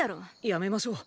やめましょう。